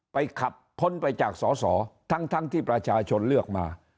ขับพ้นไปจากสอสอทั้งที่ประชาชนเลือกมา